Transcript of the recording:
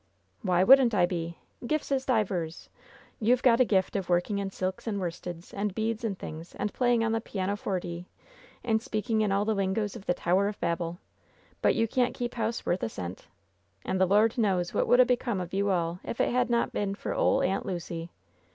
"Why wouldn't I be ? Gifts is divers. TouVe got a gift of working in silks and worsteds, and beads and things, and playing on the pianoforty, and speaking in all the lingoes of the Tower of Babel. But you can't keep house worth a cent. And the Lord knows what would a become of you all if it had not been for ole Aunt Lucy.